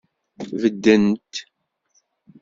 Beddent.